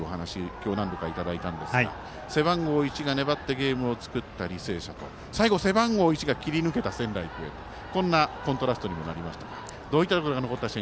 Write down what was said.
今日、何度かいただいたんですが背番号１が粘ってゲームを作った履正社と最後、背番号１が切り抜けた仙台育英、こんなコントラストになりましたがどうでしたか？